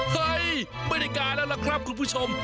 เฮ้ยไม่ได้การแล้วล่ะครับคุณผู้ชม